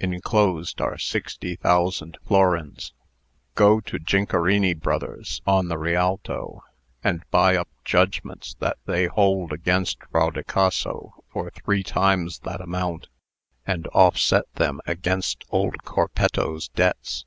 Enclosed are sixty thousand florins. Go to Jinkerini Bros., on the Rialto, and buy up judgments that they hold against Rodicaso for three times that amount, and offset them against old Corpetto's debts.